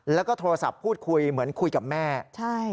แล้วก็โทรศัพท์พูดคุยเหมือนคุยกับแม่ใช่